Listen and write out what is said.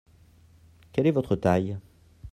Quel est votre taille ?